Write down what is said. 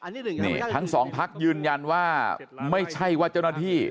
นี่ทั้งสองพักยืนยันว่าไม่ใช่ว่าเจ้าหน้าที่